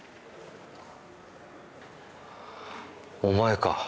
お前か。